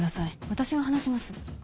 私が話します